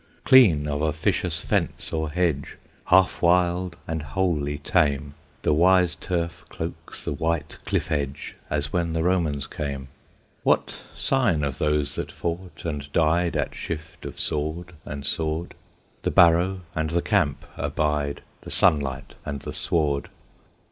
Clean of officious fence or hedge, Half wild and wholly tame, The wise turf cloaks the white cliff edge As when the Romans came. What sign of those that fought and died At shift of sword and sword? The barrow and the camp abide, The sunlight and the sward.